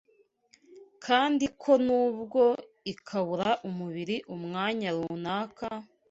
kandi ko nubwo ikabura umubiri umwanya runaka,